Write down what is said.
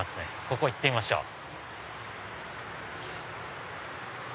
ここ行ってみましょう。